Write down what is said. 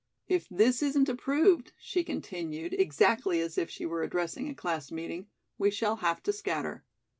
If this isn't approved," she continued, exactly as if she were addressing a class meeting, "we shall have to scatter.